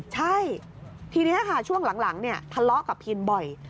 ใช่ทีนี้ช่วงหลังพลเทลาะกับพิลบ่อย